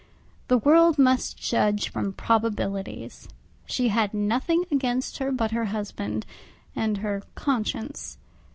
The world must judge from probabilities; she had nothing against her but her husband, and her conscience.